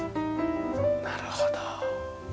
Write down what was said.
なるほど。